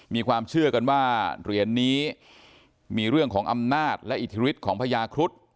มีความเชื่อกันว่าเหรียญนี้มีเรื่องของอำนาจและอิทธิฤทธิ์ของพญาครุฑ